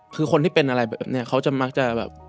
คือคนที่เป็นอะไรแบบนี้เขาจะมักจะแบบ